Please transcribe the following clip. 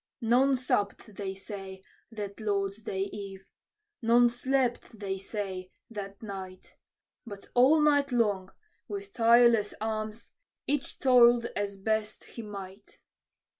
None supped, they say, that Lord's day eve; none slept, they say, that night; But all night long, with tireless arms, each toiled as best he might.